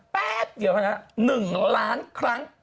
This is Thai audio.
แป๊บเดียวนะ๑ล้านครั้ง